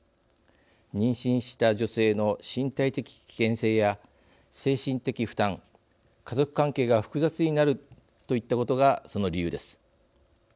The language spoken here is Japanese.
妊娠した女性の身体的危険性や精神的負担家族関係が複雑になるといったことが、その理由です。